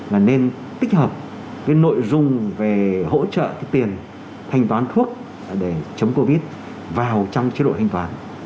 là nên tích hợp cái nội dung về hỗ trợ cái tiền thanh toán thuốc để chống covid vào trong chế độ thanh toán